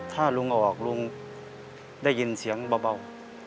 ถ้าลุงเอาออกลุงได้ยินเสียงเบา